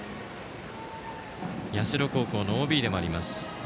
社高校のＯＢでもあります。